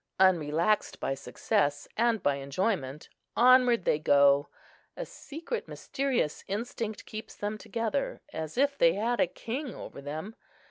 Unrelaxed by success and by enjoyment, onward they go; a secret mysterious instinct keeps them together, as if they had a king over them.